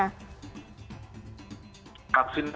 kalau di australia bagaimana mas vaksinasinya